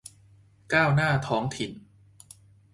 ก้าวหน้าท้องถิ่น